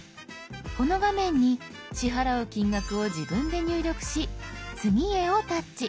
この画面に支払う金額を自分で入力し「次へ」をタッチ。